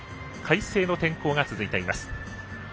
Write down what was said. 快晴の天候が続いてます。